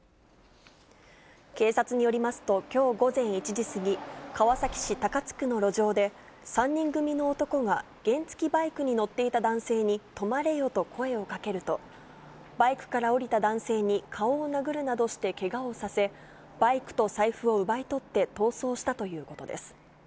警察によりますと、きょう午前１時過ぎ、川崎市高津区の路上で、３人組の男が原付きバイクに乗っていた男性に、止まれよと声をかけると、バイクから降りた男性に顔を殴るなどしてけがをさせ、バイクと財布を奪い取って逃走したということです。